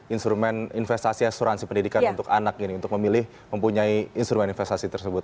instrumen investasi asuransi pendidikan untuk anak ini untuk memilih mempunyai instrumen investasi tersebut